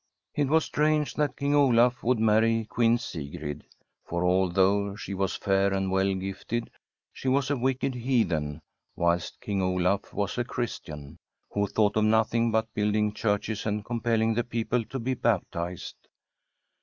It was strange that King Olaf would marry Queen Sigrid; for although she was fair and well gifted, she was a wicked heathen, whilst King Olaf was a Christian, who thought of nothing but building churches and compelling the people to be baptized.